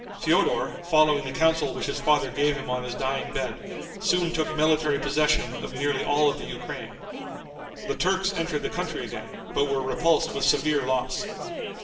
Feodor, following the counsel which his father gave him on his dying bed, soon took military possession of nearly all of the Ukraine. The Turks entered the country again, but were repulsed with severe loss.